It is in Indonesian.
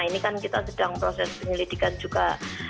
ini kan kita sedang proses penyelidikan juga